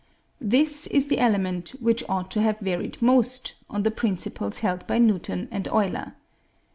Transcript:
This is the element which ought to have varied most, on the principles held by Newton and Euler.